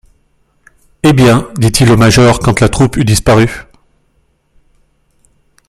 Eh bien, dit-il au major quand la troupe eut disparu